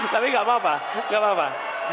tapi tidak apa apa